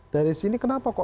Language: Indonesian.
dari sini kenapa kok